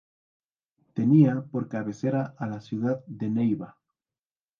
Tenía por cabecera a la ciudad de Neiva.